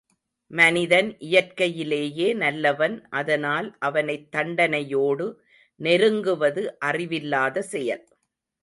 மனிதன் இயற்கையிலேயே நல்லவன் அதனால் அவனைத் தண்டனையோடு நெருங்குவது அறிவில்லாத செயல்.